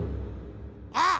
あっ！